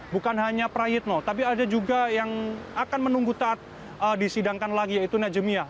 bukan hanya prayitno tapi ada juga yang akan menunggu taat disidangkan lagi yaitu najemiah